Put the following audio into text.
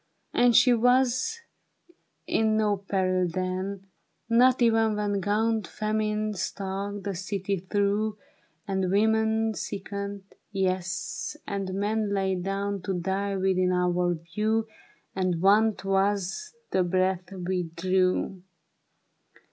And she was in no peril then, Not even when Gaunt Famine stalked the city through, And women sickened, yes, and men Lay down to die within our view. And want was as the breath we drew.